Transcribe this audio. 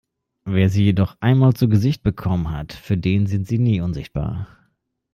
Wer sie jedoch einmal zu Gesicht bekommen hat, für den sind sie nie unsichtbar.